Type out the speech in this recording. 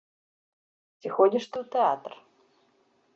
Ці ходзіш ты ў тэатр?